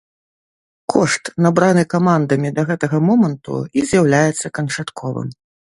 Кошт, набраны камандамі да гэтага моманту, і з'яўляецца канчатковым.